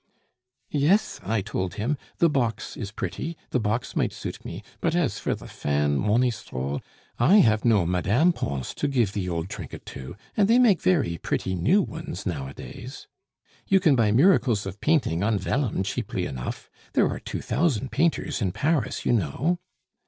'Yes,' I told him, 'the box is pretty; the box might suit me; but as for the fan, Monistrol, I have no Mme. Pons to give the old trinket to, and they make very pretty new ones nowadays; you can buy miracles of painting on vellum cheaply enough. There are two thousand painters in Paris, you know.